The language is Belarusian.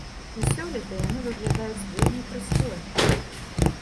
І сёлета яны выглядаюць вельмі прыстойна.